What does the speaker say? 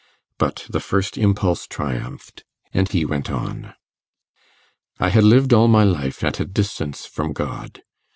But the first impulse triumphed, and he went on. 'I had lived all my life at a distance from God.